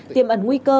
tiêm ẩn nguy cơ